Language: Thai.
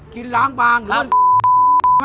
กินล้างบางหรือว่า